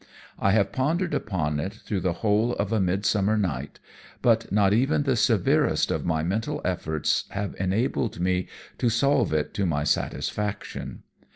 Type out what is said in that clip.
I have pondered upon it through the whole of a mid summer night, but not even the severest of my mental efforts have enabled me to solve it to my satisfaction.